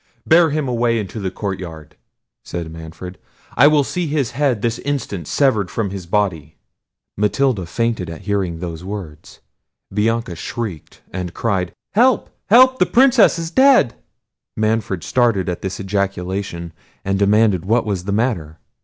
"Bear him away into the courtyard," said Manfred; "I will see his head this instant severed from his body." Matilda fainted at hearing those words. Bianca shrieked, and cried—"Help! help! the Princess is dead!" Manfred started at this ejaculation, and demanded what was the matter!